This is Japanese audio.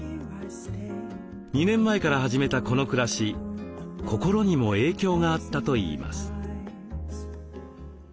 ２年前から始めたこの暮らし心にも影響があったといいます。